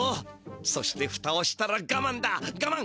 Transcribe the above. そしてフタをしたらがまんだがまん！